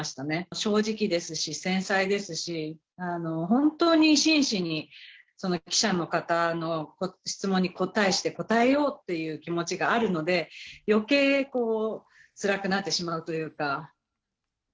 正直ですし、繊細ですし、本当に真摯にその記者の方の質問に対して答えようという気持ちがあるので、よけいつらくなってしまうというか。